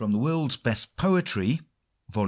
The WorldsVest Poetry Vol.!